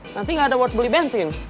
nanti nggak ada buat beli bensin